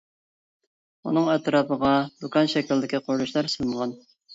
ئۇنىڭ ئەتراپىغا دۇكان شەكلىدىكى قۇرۇلۇشلار سېلىنغان.